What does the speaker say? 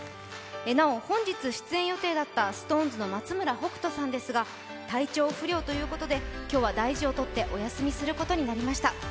なお、本日出演予定だったＳｉｘＴＯＮＥＳの松村北斗さんですが体調不良ということで今日は大事をとってお休みすることになりました。